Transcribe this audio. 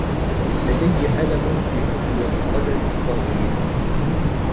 لدي ألم في اصبع قدمي الصغير.